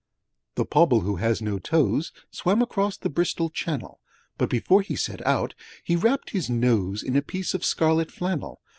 II The Pobble who has no toes, Swam across the Bristol Channel; But before he set out he wrapped his nose, In a piece of scarlet flannel.